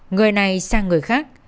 người này sang người khác